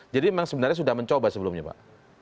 memang sebenarnya sudah mencoba sebelumnya pak